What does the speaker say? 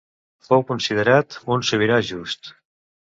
Fou considerat un sobirà just.